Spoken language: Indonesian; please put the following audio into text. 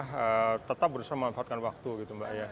kita tetap berusaha memanfaatkan waktu gitu mbak ya